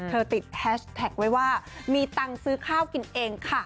ติดแฮชแท็กไว้ว่ามีตังค์ซื้อข้าวกินเองค่ะ